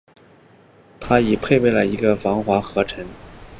它亦配备了一个防滑合成物料以便紧握。